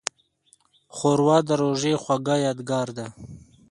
ښوروا د روژې خوږه یادګار ده.